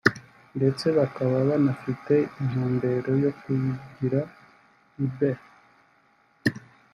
ndetse bakaba banafite intumbero yo kuyigira Lebel